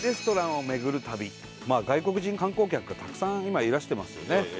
外国人観光客がたくさん今いらしてますよね。